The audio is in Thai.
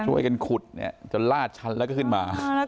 ช่วยกันขุดเนี่ยจนลาดชั้นแล้วก็ขึ้นมา